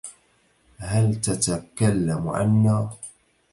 هل تتكلم عنّا؟